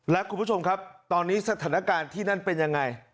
และคุณผู้ชมครับตอนนี้สถานการณ์ที่นั่นเป็นยังไง